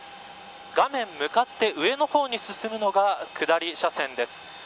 画面向かって上の方に進むのが下り車線です。